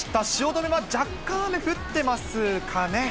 汐留は若干雨降ってますかね。